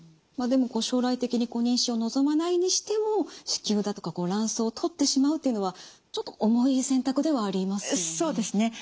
でも将来的に妊娠を望まないにしても子宮だとか卵巣を取ってしまうというのはちょっと重い選択ではありますよね。